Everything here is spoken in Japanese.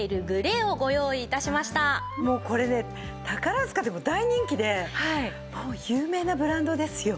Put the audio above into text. もうこれね宝塚でも大人気で有名なブランドですよ。